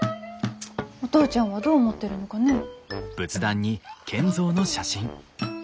お父ちゃんはどう思ってるのかねぇ。